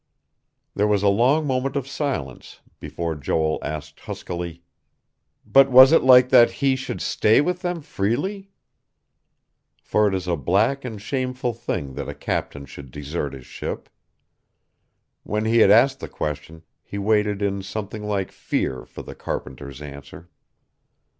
There was a long moment of silence before Joel asked huskily: "But was it like that he should stay with them freely?" For it is a black and shameful thing that a captain should desert his ship. When he had asked the question, he waited in something like fear for the carpenter's answer.